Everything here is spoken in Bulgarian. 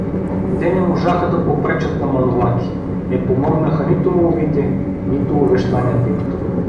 Те не можаха да попречат на Манолаки, не помогнаха нито молбите, нито увещанията им.